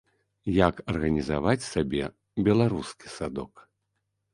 Як арганізаваць сабе беларускі садок.